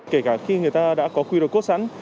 kể cả khi người ta đã có qr code sẵn